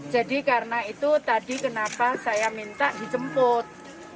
jadi karena itu tadi kenapa saya minta dijemput